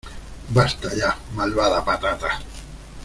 ¡ Basta ya, malvada patata!